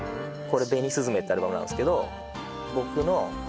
これ『紅雀』ってアルバムなんですけど。